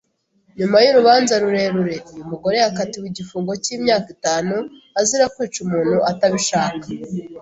Nyuma y’urubanza rurerure, uyu mugore yakatiwe igifungo cy’imyaka itanu azira kwica umuntu atabishaka.